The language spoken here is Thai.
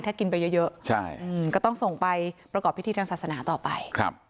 ถ้ากินไปเยอะก็ต้องส่งไปประกอบพิธีทางศาสนาต่อไป